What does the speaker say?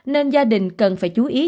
nên gia đình cần phải chú ý